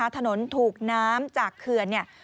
ถนนถูกน้ำจากเขื่อน